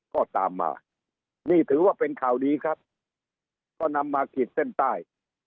ก็ตามมานี่ถือว่าเป็นข่าวดีครับก็นำมาขีดเส้นใต้